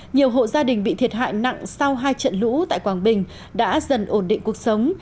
nhiều hộ gia đình bị thiệt hại nặng sau hai trận lũ tại quảng bình đã dần ổn định cuộc sống